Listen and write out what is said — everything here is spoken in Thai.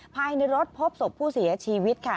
ภายในรถพบศพผู้เสียชีวิตค่ะ